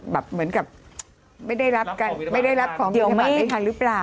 แบบเหมือนกับไม่ได้รับของวิทยาบาลในทางหรือเปล่า